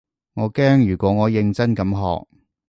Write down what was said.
我驚如果我認真咁學